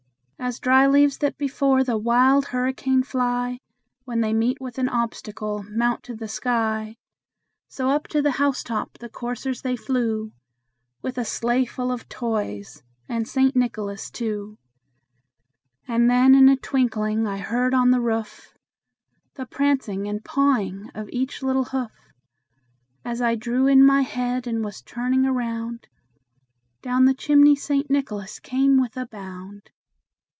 As dry leaves that before the wild hurricane fly, When they meet with an obstacle, mount to the sky, So, up to the house top the coursers they flew, With a sleigh full of toys and St. Nicholas too. And then in a twinkling I heard on the roof, The prancing and pawing of each little hoof. As I drew in my head, and was turning around, Down the chimney St. Nicholas came with a bound.